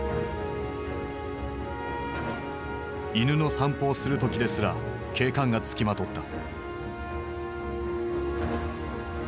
犬の散歩をする時ですら警官が付きまとった。